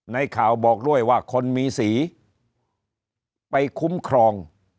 ในข่าวบอกด้วยว่าคนมีสีไปคุ้มครอง